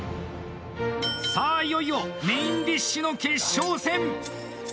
さあ、いよいよメインディッシュの決勝戦。